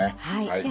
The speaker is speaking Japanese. はい。